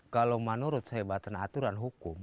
kalau menurut saya batin aturan hukum